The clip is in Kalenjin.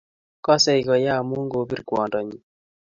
Kosei koya amu kobir kwondonyii